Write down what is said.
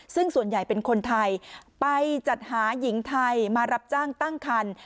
ซึ่งส่วนใหญ่เป็นคนไทยไปจัดหาหญิงไทยมารับจ้างตั้งคัน